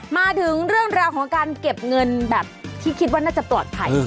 มาถึงเรื่องราวของการเก็บเงินแบบที่คิดว่าน่าจะปลอดภัย